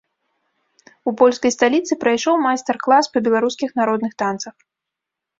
У польскай сталіцы прайшоў майстар-клас па беларускіх народных танцах.